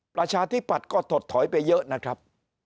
ประชาธิปัตย์ก็ถดถอยไปเยอะนะครับ